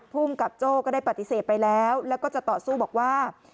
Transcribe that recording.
ภูมิกับโจ้ก็ได้ปฏิเสธไปแล้วแล้วก็จะต่อสู้บอกว่า